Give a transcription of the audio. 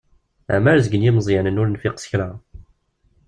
Amarezg n yimeẓẓyanen ur nfaq s kra.